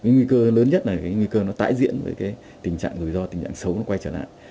nguy cơ lớn nhất là cái nguy cơ nó tái diễn với cái tình trạng rủi ro tình trạng xấu nó quay trở lại